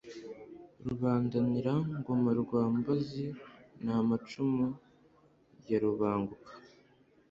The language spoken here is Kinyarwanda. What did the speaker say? Rubandanira-ngoma rwa Mbabazi ni amacumu ya Rubanguka,